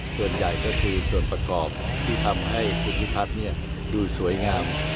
ส่วนใหญ่ก็คือส่วนประกอบที่ทำให้ภูมิทัศน์ดูสวยงาม